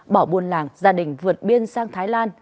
bỏ buôn làng gia đình vượt biên sang thái lan